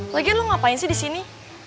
lagian lo ngapain sih disini